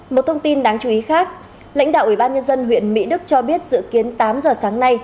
một thông tin đáng chú ý khác lãnh đạo ủy ban nhân dân huyện mỹ đức cho biết dự kiến tám giờ sáng nay